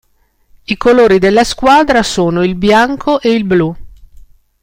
I colori della squadra sono il bianco e il blu.